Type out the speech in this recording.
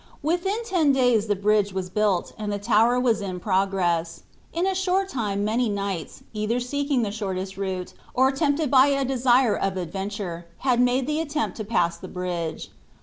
Within ten days the bridge was built, and the tower was in progress. In a short time many knights, either seeking the shortest route, or tempted by a desire of adventure, had made the attempt to pass the bridge.